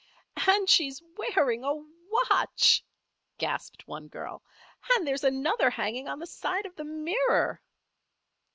"And she's wearing a watch!" gasped one girl. "And there's another hanging on the side of the mirror."